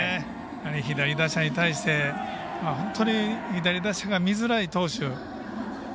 左打者に対して本当に左打者が見づらい投手。